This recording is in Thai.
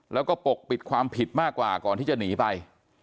แล้วก็ปกปิดความผิดมากกว่าก่อนที่จะหนีไป